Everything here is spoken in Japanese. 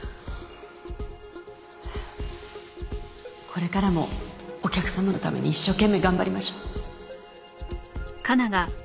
これからもお客様のために一生懸命頑張りましょう。